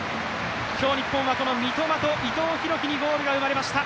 今日、日本は三笘と伊藤洋輝にゴールが生まれました。